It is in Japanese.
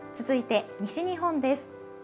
続いて西日本です。